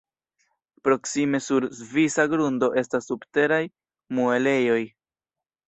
Proksime sur svisa grundo estas Subteraj Muelejoj.